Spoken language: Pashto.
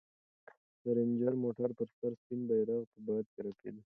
د رنجر موټر پر سر سپین بیرغ په باد کې رپېده.